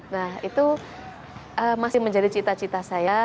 nah itu masih menjadi cita cita saya